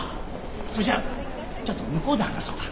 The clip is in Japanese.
それじゃちょっと向こうで話そうか。